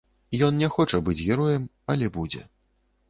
Ён не хоча быць героем, але будзе.